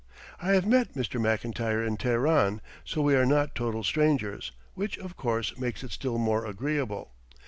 I have met Mr. Mclntyre in Teheran, so we are not total strangers, which, of course, makes it still more agreeable.